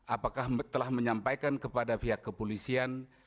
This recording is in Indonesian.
apakah telah menyampaikan kepada pihak kepolisian